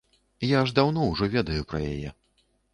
Я ж даўно ўжо ведаю пра яе.